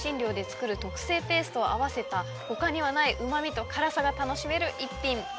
作る特製ペーストを合わせた他にはないうま味と辛さが楽しめる逸品。